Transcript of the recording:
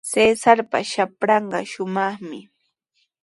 Cesarpa shapranqa shumaqmi.